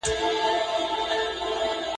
څوچي غرونه وي پرځمکه !.